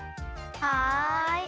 はい。